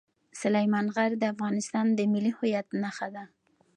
سلیمان غر د افغانستان د ملي هویت نښه ده.